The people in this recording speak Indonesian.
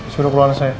suruh keluarin saya